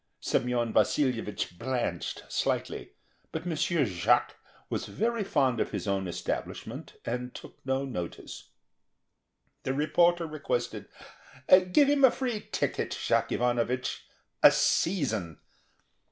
Semyon Vasilyevich blanched slightly, but M. Jacques was very fond of his own establishment, and took no notice. The reporter requested: "Give him a free ticket, Jacques Ivanovich; a season."